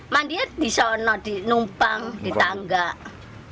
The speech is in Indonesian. mandiat di sana di numpang di tangga